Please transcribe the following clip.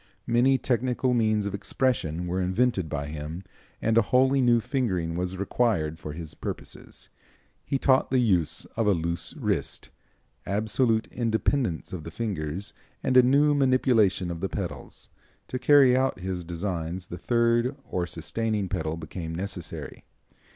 Many technical means of expression were invented by him, and a wholly new fingering was required for his purposes. He taught the use of a loose wrist, absolute independence of the fingers and a new manipulation of the pedals. To carry out his designs the third or sustaining pedal became necessary.